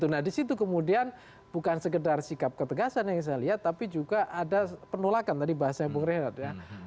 nah di situ kemudian bukan sekedar sikap ketegasan yang saya lihat tapi juga ada penolakan bahasanya tadi